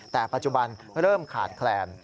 แต่ปัจจุบันเริ่มขาดแคลน